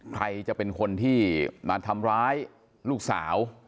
ใครจะเป็นคนที่มาทำร้ายลูกสาว